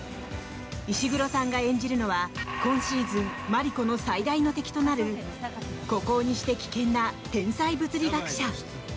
石黒さんが演じるのは今シーズンマリコの最大の敵となる孤高にして危険な天才物理学者。